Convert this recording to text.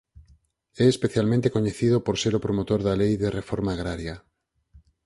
É especialmente coñecido por ser o promotor da Lei de Reforma Agraria.